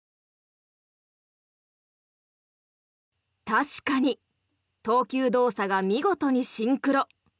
確かに投球動作が見事にシンクロ。